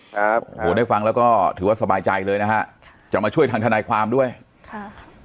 ครับโอ้โหได้ฟังแล้วก็ถือว่าสบายใจเลยนะฮะจะมาช่วยทางทนายความด้วยค่ะ